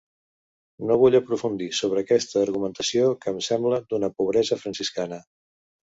No vull aprofundir sobre aquesta argumentació, que em sembla d’una pobresa franciscana.